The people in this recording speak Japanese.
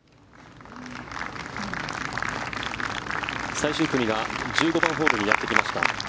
最終組が１５番ホールへやってきました。